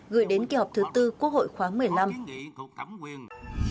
gửi đến kỳ họp thứ tư quốc hội khoáng một mươi năm